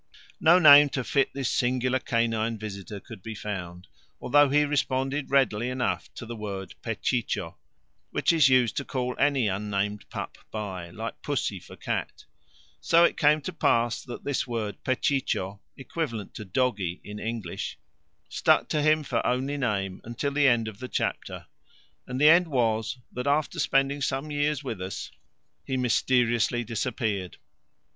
No name to fit this singular canine visitor could be found, although he responded readily enough to the word Pechicho, which is used to call any unnamed pup by, like pussy for a cat. So it came to pass that this word pechicho equivalent to "doggie" in English stuck to him for only name until the end of the chapter; and the end was that, after spending some years with us, he mysteriously disappeared.